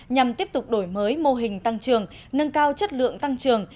nhằm tiếp tục đổi mới mô hình tăng trường nâng cao chất lượng tăng trưởng